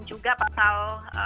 juga pasal empat puluh lima